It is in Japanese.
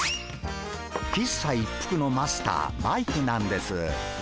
喫茶一服のマスターマイクなんです。